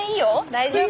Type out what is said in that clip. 大丈夫。